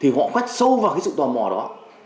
thì họ khoét sâu vào cái sự tò mò đó